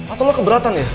atau lo keberatan ya